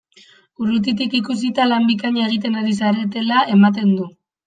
Urrutitik ikusita, lan bikaina egiten ari zaretela ematen du!